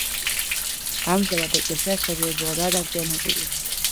ამჟამად ეკლესია სერიოზულადაა დაზიანებული.